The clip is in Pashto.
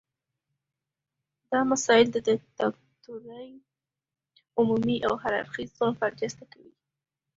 دا مسایل د دیکتاتورۍ عمومي او هر اړخیز ظلم برجسته کوي.